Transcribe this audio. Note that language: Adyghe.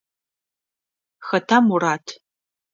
Хэта Мурат?